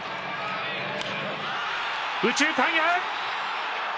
右中間へ！